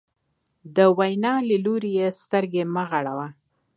د وینا په لوري یې سترګې مه غړوه.